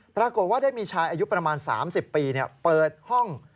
ปรากฏว่าได้มีชายอายุประมาณ๓๐ปีเปิดห้อง